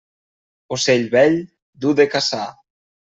Ocell vell, dur de caçar.